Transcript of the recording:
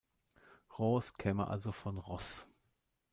Ros käme also von Ross.